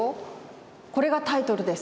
これがタイトルです。